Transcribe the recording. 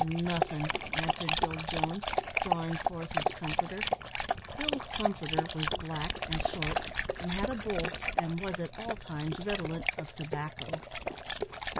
"Nothin'," answered Bill Jones, drawing forth his comforter. Bill's comforter was black and short, and had a bowl, and was at all times redolent of tobacco.